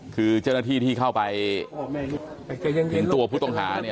คือเจ้าหน้าที่ที่เข้าไปเห็นตัวผู้ต้องหาเนี่ย